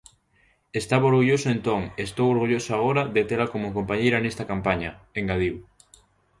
"Estaba orgulloso entón e estou orgulloso agora de tela como compañeira nesta campaña", engadiu.